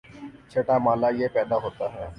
چھٹا مألہ یہ پیدا ہوتا ہے